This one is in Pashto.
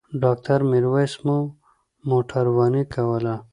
ډاکټر میرویس مو موټرواني کوله.